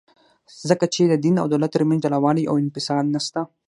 ځکه چي د دین او دولت ترمنځ جلاوالي او انفصال نسته.